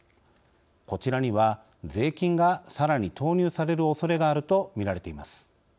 こちらには税金がさらに投入されるおそれがあるとみられています。